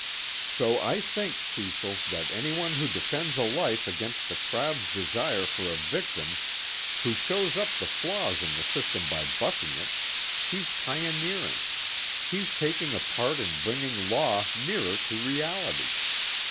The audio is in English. So I think, Cecil, that anyone who defends a life against the crowd's desire for a victim, who shows up the flaws in the system by bucking it he's pioneering, he's taking a part in bringing law nearer to reality.